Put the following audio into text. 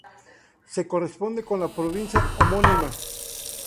Se corresponde con la provincia homónima.